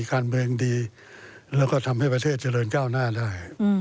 การเมืองดีแล้วก็ทำให้ประเทศเจริญก้าวหน้าได้